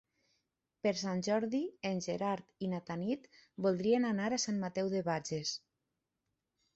Per Sant Jordi en Gerard i na Tanit voldrien anar a Sant Mateu de Bages.